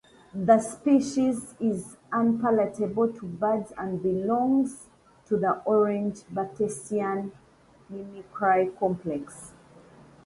This species is unpalatable to birds and belongs to the "orange" Batesian mimicry complex.